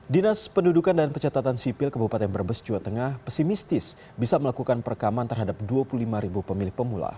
dinas pendudukan dan pecatatan sipil kebupaten brebes jawa tengah pesimistis bisa melakukan perekaman terhadap dua puluh lima pemilik pemula